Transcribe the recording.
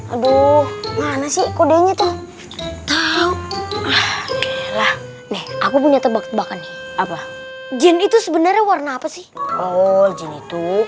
aduh mana sih kodenya tuh aku punya tebak tebakan apa jin itu sebenarnya warna apa sih oh itu